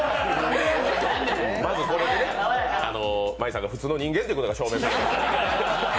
まず、これで舞さんが普通の人間だということが証明されたんで。